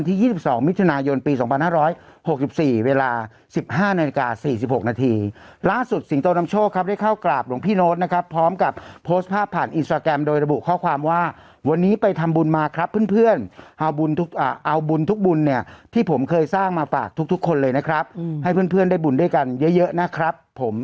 ที่น่าสนใจก็คือการอนุมัติโครงการคนละครึ่งพศ๔ครับ